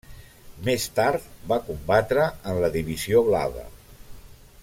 Més tard va combatre en la Divisió Blava.